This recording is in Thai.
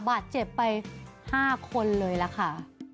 บาดเจ็บไป๕คนเลยล่ะค่ะ